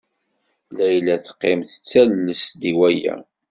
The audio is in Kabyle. Layla teqqim tettales-d i waya.